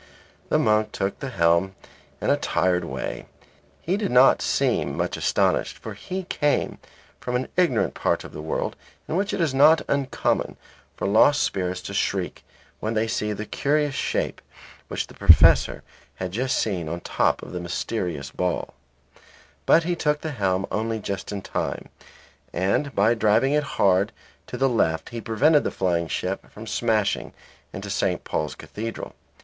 The monk took the helm in a tired way; he did not seem much astonished for he came from an ignorant part of the world in which it is not uncommon for lost spirits to shriek when they see the curious shape which the Professor had just seen on the top of the mysterious ball, but he took the helm only just in time, and by driving it hard to the left he prevented the flying ship from smashing into St. Paul's Cathedral.